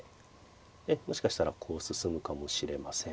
もしかしたらこう進むかもしれません。